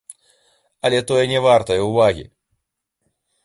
Але тое не вартае ўвагі.